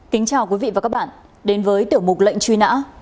kính chào quý vị và các bạn đến với tiểu mục lệnh truy nã